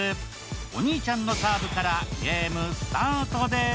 お兄ちゃんのサーブからゲームスタートです。